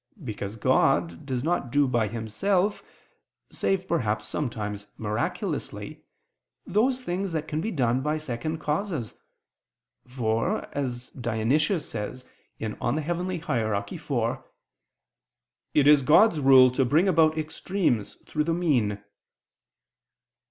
Because God does not do by Himself, save perhaps sometimes miraculously, those things that can be done by second causes; for, as Dionysius says (Coel. Hier. iv), "it is God's rule to bring about extremes through the mean."